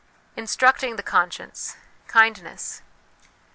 Instructing the Conscience Kindness.